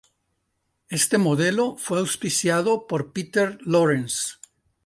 Este modelo fue auspiciado por Peter Lawrence.